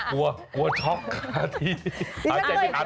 กลัวช็อคค่ะที่อาจจะไม่คัด